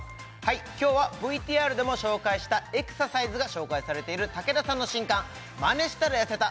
今日はＶＴＲでも紹介したエクササイズが紹介されている竹田さんの新刊「マネしたらやせた！